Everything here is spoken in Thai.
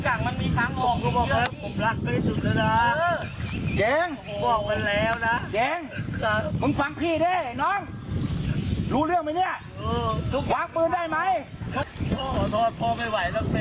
พ่อมาล่มตั๋วแล้วหนูจะไปเยี่ยมบ่อยแล้ว